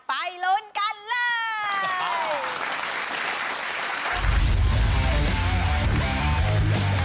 ไปลุ้นกันเลย